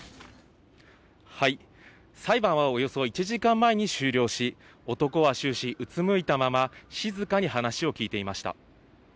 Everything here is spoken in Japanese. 裁判はおよそ１時間前に終了し、男は終始うつむいたまま静かに話を聞いていました。